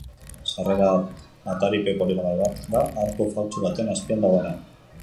Sarrera ataripe poligonal bat da, arku faltsu baten azpian dagoena.